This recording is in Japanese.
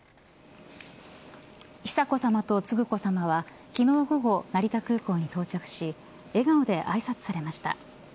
久子さまと承子さまは、昨日午後成田空港に到着し笑顔であいさつされました。